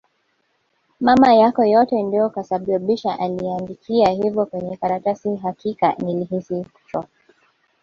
Mama yako yote ndo kasababisha aliniandikia hivo kwenye karatasi hakika nilihisi kuchoka